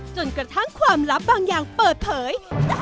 จนกระทั่งความลับบางอย่างเปิดเผย